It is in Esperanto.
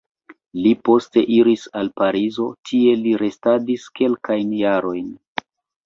Li poste iris al Parizo, tie li restadis kelkajn jarojn.